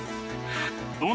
あっ。